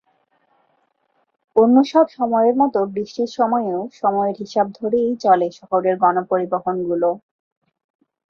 অন্যসব সময়ের মতো বৃষ্টির সময়েও সময়ের হিসাব ধরেই চলে শহরের গণপরিবহনগুলো।